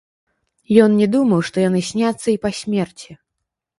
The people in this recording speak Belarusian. Ён не думаў, што яны сняцца і па смерці.